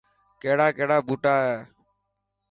ڪهڙا ڪهڙا ٻوٽا هي.